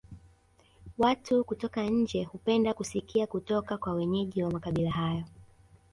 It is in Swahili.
Watu kutoka nje hupenda kusikia kutoka kwa wenyeji wa makabila hayo